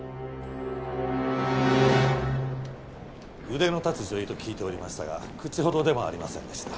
腕の立つ女医と聞いておりましたが口ほどでもありませんでした。